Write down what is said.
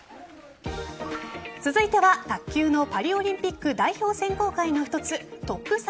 続いては卓球のパリオリンピック代表選考会の一つ